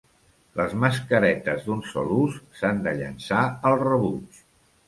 Les mascaretes d'un sol ús s'han de llençar al rebuig.